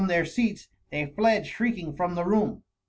805 their seats they fled shrieking from the room.